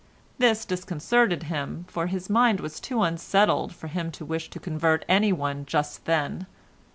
This disconcerted him, for his mind was too unsettled for him to wish to convert anyone just then.